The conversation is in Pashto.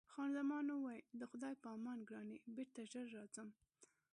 خان زمان وویل: د خدای په امان ګرانې، بېرته ژر راځم.